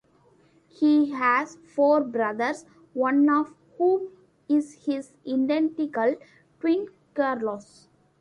He has four brothers, one of whom is his identical twin Carlos.